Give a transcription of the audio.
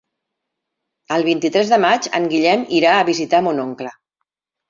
El vint-i-tres de maig en Guillem irà a visitar mon oncle.